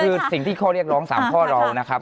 คือสิ่งที่ข้อเรียกร้อง๓ข้อเรานะครับ